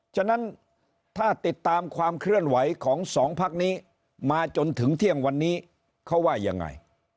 ฉะนั้นถ้าติดตามความเคลื่อนไหวของสองพักนี้มาจนถึงเที่ยงวันนี้เขาว่ายังไง